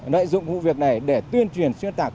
lợi dụng vụ việc này để tuyên truyền xuyên tạc